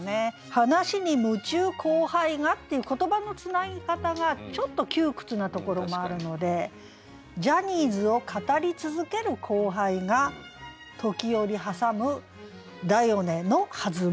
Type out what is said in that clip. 「話に夢中後輩が」っていう言葉のつなぎ方がちょっと窮屈なところもあるので「ジャニーズを語り続ける後輩が時折はさむ『だよね』の弾む」。